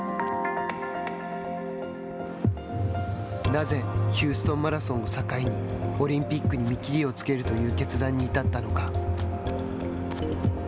なぜヒューストンマラソンを境にオリンピックに見切りをつけるという決断に至ったのか。